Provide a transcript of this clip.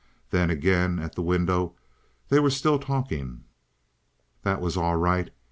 Then again at the window—they were still talking. That was all right.